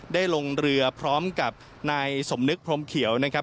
ได้ลงเรือพร้อมกับนายสมนึกพรมเขียวนะครับ